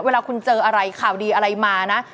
เวลาคุณเจออะไรข่าวดีอะไรมานะ